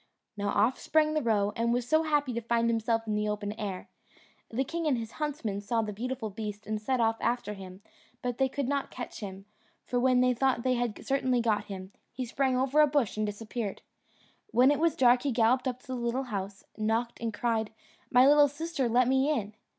Now off sprang the roe, and was so happy to find himself in the open air. The king and his huntsmen saw the beautiful beast and set off after him, but they could not catch him; for when they thought they had certainly got him, he sprang over a bush and disappeared. When it was dark he galloped up to the little house, knocked, and cried, "My little sister, let me in."